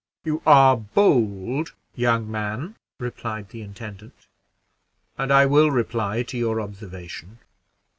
"You are bold, young man," replied the intendant, "and I will reply to your observation.